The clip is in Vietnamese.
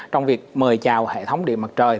trong việc mời chào hệ thống điện mặt trời